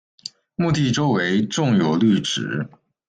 墓地周围种有绿植。